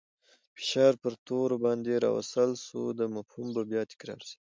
فشار پر تورو باندې راوستل سو. دا مفهوم به بیا تکرار سي.